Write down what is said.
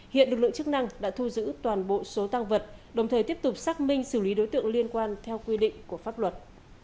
hiện lực lượng chức năng đã thu giữ toàn bộ số tăng vật đồng thời tiếp tục xác minh xử lý đối tượng liên quan theo quy định của pháp luật